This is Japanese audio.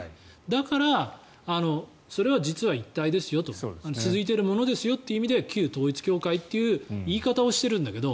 だから、それは実は一体ですよと続いているものですよという意味で旧統一教会という言い方をしてるんだけど。